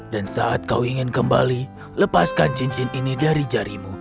dan saat kau ingin kembali lepaskan cincin ini dari jarimu